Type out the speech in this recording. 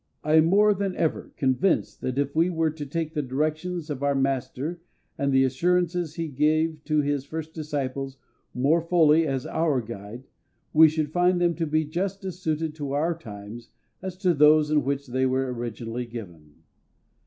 I am more than ever convinced that if we were to take the directions of our MASTER and the assurances He gave to His first disciples more fully as our guide, we should find them to be just as suited to our times as to those in which they were originally given.